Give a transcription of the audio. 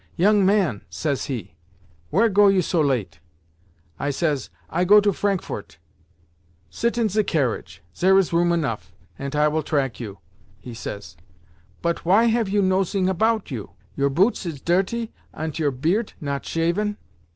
'Young man,' says he, 'where go you so late?' I says, 'I go to Frankfort.' 'Sit in ze carriage—zere is room enough, ant I will trag you,' he says. 'Bot why have you nosing about you? Your boots is dirty, ant your beart not shaven.